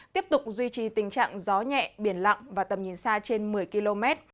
tiếp tục duy trì tình trạng gió nhẹ biển lặng và tầm nhìn xa trên một mươi km